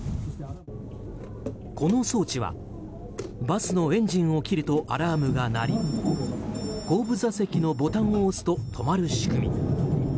この装置はバスのエンジンを切るとアラームが鳴り後部座席のボタンを押すと止まる仕組み。